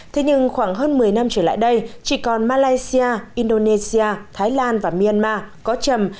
thế nhưng khoảng hơn một mươi năm trở lại đây chỉ còn malaysia indonesia thái lan và myanmar có chầm